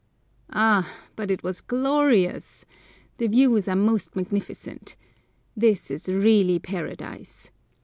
Ah, but it was glorious! The views are most magnificent. This is really Paradise.